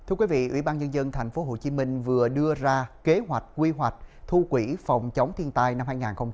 ủy ban nhân dân thành phố hồ chí minh vừa đưa ra kế hoạch quy hoạch thu quỹ phòng chống thiên tai năm hai nghìn hai mươi ba